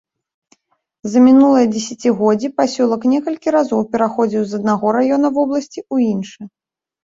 За мінулыя дзесяцігоддзі пасёлак некалькі разоў пераходзіў з аднаго раёна вобласці ў іншы.